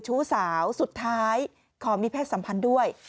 ชู้สาวสุดท้ายขอมีเพศสัมพันธ์ด้วย